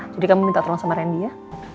jadi kamu minta tolong sama randy ya